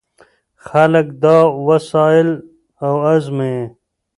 خلک دا وسایل ازمويي.